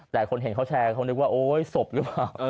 แต่คนเห็นเขาแชร์เขานึกว่าโอ๊ยศพหรือเปล่า